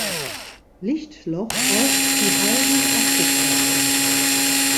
Lichtloch auch die Halden abgetragen.